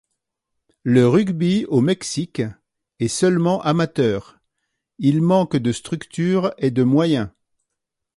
Le rugby au Mexique est seulement amateur, il manque de structure et de moyens.